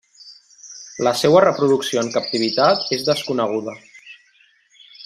La seua reproducció en captivitat és desconeguda.